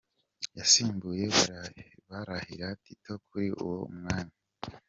Yasimbuye Barahira Tito kuri uwo mwanya.